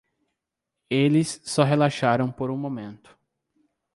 Eles só relaxaram por um momento.